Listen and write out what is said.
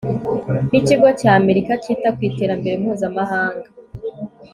n ikigo cy amerika cyita ku iterambere mpuzamahanga